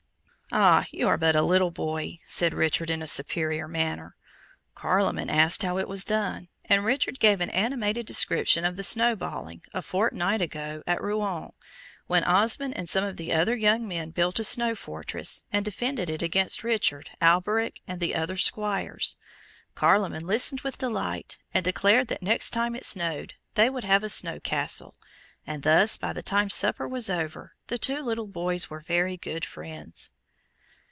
"Ah! you are but a little boy," said Richard, in a superior manner. Carloman asked how it was done; and Richard gave an animated description of the snowballing, a fortnight ago, at Rouen, when Osmond and some of the other young men built a snow fortress, and defended it against Richard, Alberic, and the other Squires. Carloman listened with delight, and declared that next time it snowed, they would have a snow castle; and thus, by the time supper was over, the two little boys were very good friends.